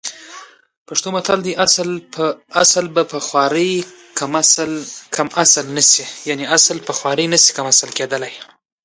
دوی له نولس سوه نهه اتیا کال راهیسې اقتصاد قبضه کړی.